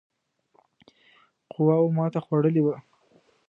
قواوو ماته خوړلې وه.